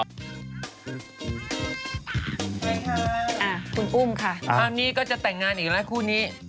สวัสดีครับคุณปุ้มค่ะอันนี้ก็จะแต่งงานอีกแล้วคู่นี้